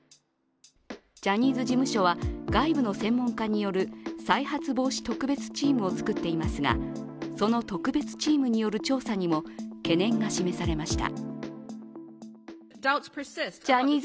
ジャニーズ事務所は外部の専門家による再発防止特別チームを作っていますが、その特別チームによる調査にも懸念が示されました。